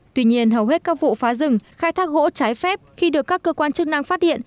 tuy nhiên hầu hết các vụ phá rừng khai thác gỗ trái phép khi được các cơ quan chức năng phát hiện